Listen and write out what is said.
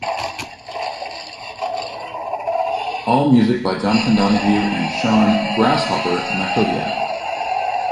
All music by Jonathan Donahue and Sean "Grasshopper" Mackowiak.